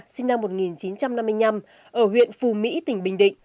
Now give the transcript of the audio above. lương thị hoa sinh năm một nghìn chín trăm năm mươi năm ở huyện phù mỹ tỉnh bình định